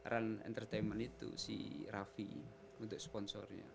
run entertainment itu si raffi untuk sponsornya